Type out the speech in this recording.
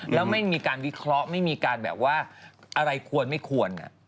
แล้วไม่มีการวิเคราะห์ไม่มีการแบบว่าอะไรควรไม่ควร